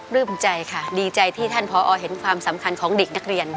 ลืมใจค่ะดีใจที่ท่านพอเห็นความสำคัญของเด็กนักเรียน